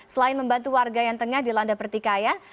selain membantu warga yang tengah dilanda pertikaian